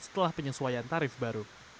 setelah penyesuaian tarif baru